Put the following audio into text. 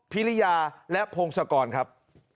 พิริยาและพงศกรครับ